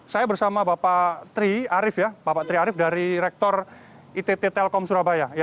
saya bersama bapak tri arief dari rektor itt telkom surabaya